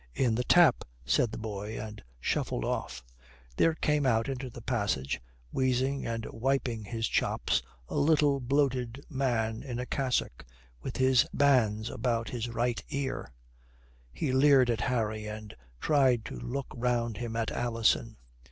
"In the tap," said the boy, and shuffled off. There came out into the passage, wheezing and wiping his chops, a little bloated man in a cassock, with his bands under his right ear. He leered at Harry and tried to look round him at Alison.